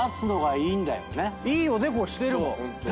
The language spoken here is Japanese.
いいおでこしてるもん。